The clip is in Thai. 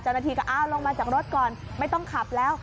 เจ้าหน้าที่ก็อ้าวลงมาจากรถก่อนไม่ต้องขับแล้ว